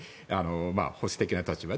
保守的な立場で。